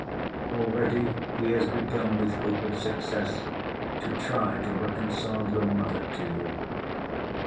'Already he has begun, with hope of success, to try to reconcile your mother to you.